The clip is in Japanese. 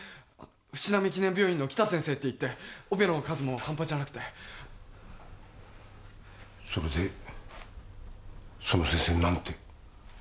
「淵南記念病院」の北先生といってオペの数もハンパじゃなくてそれでその先生何て？